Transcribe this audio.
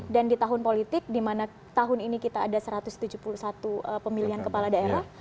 dan di tahun politik di mana tahun ini kita ada satu ratus tujuh puluh satu pemilihan kepala daerah